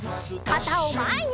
かたをまえに！